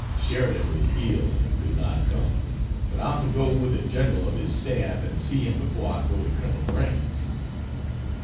Sheridan was ill and could not come, but I'm to go with a General of his staff and see him before I go to Col. Grant's.